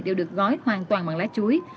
đều được gói hoàn toàn bằng lá chuối